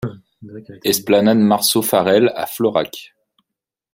Esplanade Marceau Farelle à Florac